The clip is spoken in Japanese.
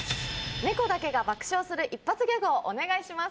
「猫だけが爆笑する一発ギャグをお願いします」。